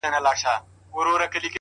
تمرکز بریا ته نږدې کوي,